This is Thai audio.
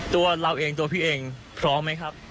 ตัวเราเองตัวพี่เองพร้อมไหมครับ